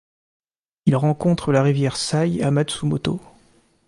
Il rencontre la rivière Sai à Matsumoto.